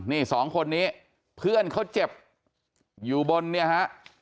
นี่สองคนนี้เพื่อนเขาเจ็บอยู่บนเนี่ยฮะ